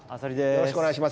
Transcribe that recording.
よろしくお願いします。